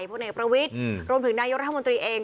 พี่ใหญ่พวกนักประวิทย์รวมถึงนายธรรมดิตรีเอง